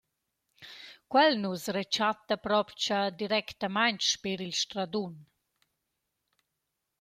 Quel nu’s rechatta propcha directamaing sper il Stradun.